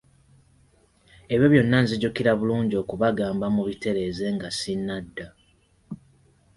Ebyo byonna nzijukira bulungi okubagamba mubitereeze nga sinnadda.